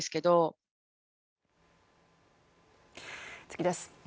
次です。